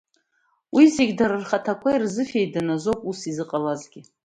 Уи зегьы дара рхаҭақәа ирзыфеидан азы ауп ус изыҟалазгьы.